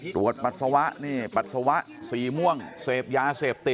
ปัสสาวะนี่ปัสสาวะสีม่วงเสพยาเสพติด